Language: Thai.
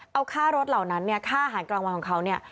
เอาค่ารถเหล่านั้นเนี่ยค่าอาหารกลางวันของเขาเนี่ย